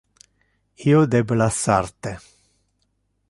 Io debe lassar te.